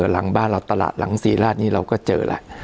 หลังบ้านเราตลาดหลังศรีราชนี้เราก็เจอแล้ว